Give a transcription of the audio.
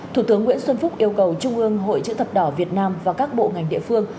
thủ tướng nguyễn xuân phúc yêu cầu trung ương hội chữ thập đỏ việt nam và các bộ ngành địa phương